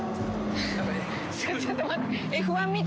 ・ちょっと待って。